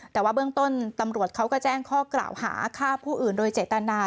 แต่ว่าเบื้องต้นตำรวจเขาก็แจ้งข้อกล่าวหาฆ่าผู้อื่นโดยเจตนา